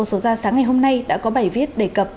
số ra sáng ngày hôm nay đã có bài viết đề cập